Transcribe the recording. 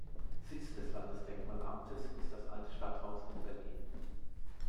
Sitz des Landesdenkmalamtes ist das Alte Stadthaus in Berlin.